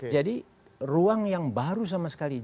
jadi ruang yang baru sama sekali